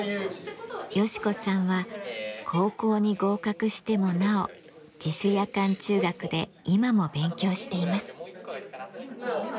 ヨシ子さんは高校に合格してもなお自主夜間中学で今も勉強しています。